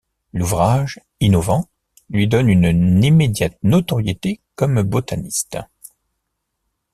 L'ouvrage, innovant, lui donne une immédiate notoriété comme botaniste.